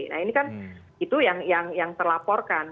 nah ini kan itu yang terlaporkan